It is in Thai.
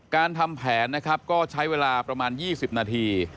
การทำแผนนะครับก็ใช้เวลาประมาณ๒๐นาที